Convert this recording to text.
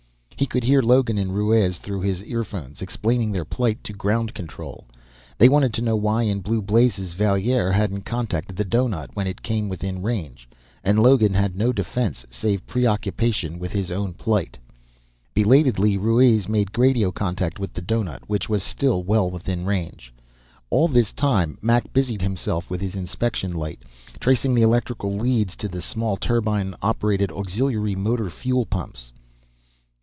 He could hear Logan and Ruiz through his earphones, explaining their plight to Ground Control. They wanted to know why in blue blazes Valier hadn't contacted the doughnut when it came within range, and Logan had no defense save preoccupation with his own plight. Belatedly, Ruiz made radio contact with the doughnut, which was still well within range. All this time, Mac busied himself with his inspection light, tracing the electrical leads to the small, turbine operated auxiliary motor fuel pumps.